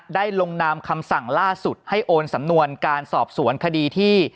ลงนามคำสั่งล่าสุดให้โอนสำนวนการสอบสวนคดีที่